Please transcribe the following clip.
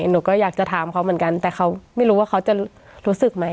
หนูก็อยากจะถามเขาเหมือนกันแต่เขาไม่รู้ว่าเขาจะรู้สึกไหม